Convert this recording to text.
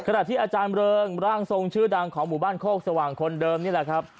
อาจารย์ที่อาจารย์เริงร่างทรงชื่อดังของหมู่บ้านโคกสว่างคนเดิมนี่แหละครับ